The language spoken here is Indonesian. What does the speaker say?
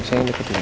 saya yang deketin